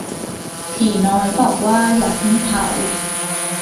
ผีน้อยบอกว่าอย่าเพิ่งเผา